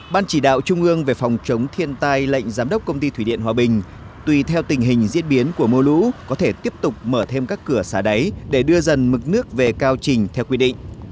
ban chỉ đạo trung ương về phòng chống thiên tai lệnh giám đốc công ty thủy điện hòa bình tùy theo tình hình diễn biến của mưa lũ có thể tiếp tục mở thêm các cửa xả đáy để đưa dần mực nước về cao trình theo quy định